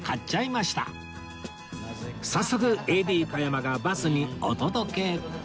早速 ＡＤ 加山がバスにお届け